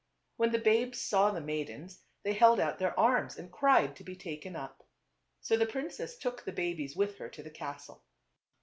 When the babes saw the maidens they held out their arms and cried to be taken up. So the princess took the babies with her to the castle.